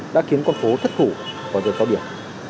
đã khiến con phố thất thủ và dần cao điểm